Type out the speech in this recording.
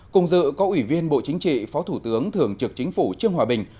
cùng dự có ủy viên bộ chính trị phó thủ tướng thường trực chính phủ trương hòa bình